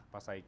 pak sae salim